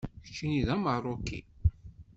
Keččini d Ameṛṛuki.